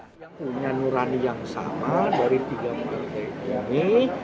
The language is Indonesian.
dia punya nurani yang sama dari tiga partai ini